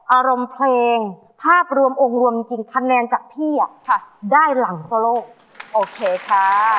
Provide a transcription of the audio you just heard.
อารมณ์เพลงภาพรวมองค์รวมจริงคะแนนจากพี่ได้หลังโซโลกโอเคค่ะ